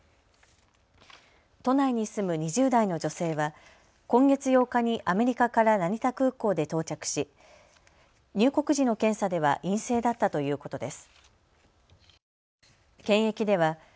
都内に住む２０代の女性は今月８日にアメリカから成田空港で到着し入国時の検査では陰性だったということです。